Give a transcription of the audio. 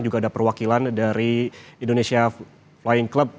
juga ada perwakilan dari indonesia flying club